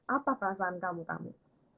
apa perasaan kamu